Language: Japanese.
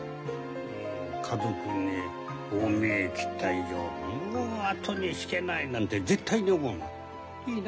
家族に大見栄切った以上もう後に引けないなんて絶対に思うな。